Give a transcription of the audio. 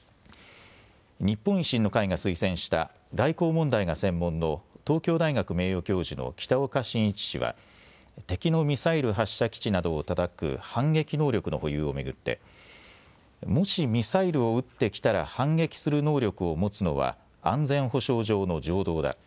日本維新の会が推薦した外交問題が専門の東京大学名誉教授の北岡伸一氏は敵のミサイル発射基地などをたたく反撃能力の保有を巡って、もしミサイルを撃ってきたら反撃する能力を持つのは安全保障上の常道だ。